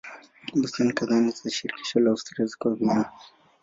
Bustani kadhaa za shirikisho la Austria ziko Vienna.